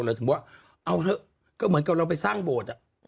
ถึงว่าเอาเถอะก็เหมือนกับเราไปสร้างโบสถ์